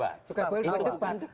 itu bukan debat